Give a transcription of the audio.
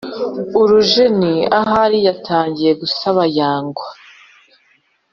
Urujeni Ahari yatangiye gusabayangwa